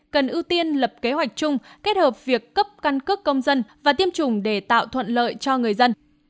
cần ưu tiên lập kế hoạch chung kết hợp việc cấp căn cước công dân và tiêm chủng để tạo thuận lợi cho người dân